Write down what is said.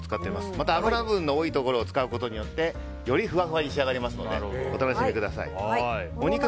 また、脂分の多いところを使うことによってよりふわふわに仕上がりますのでお楽しみにしてください。